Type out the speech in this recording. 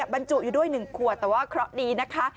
บรรจุอยู่ด้วยหนึ่งขวดแต่ว่าเพราะนี่นะคะ